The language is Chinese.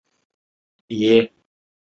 即此信号在各个频段上的功率一致。